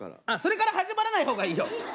あっそれから始まらない方がいいよ。